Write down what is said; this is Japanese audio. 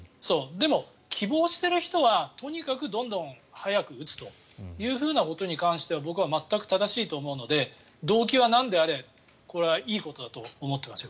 でも、希望している人はとにかくどんどん早く打つということに関しては僕は全く正しいと思うので動機はなんであれこれはいいことだと思っていますよ。